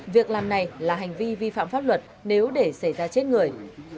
việc làm này là hành vi vi phạm pháp luật nếu để xảy ra chết người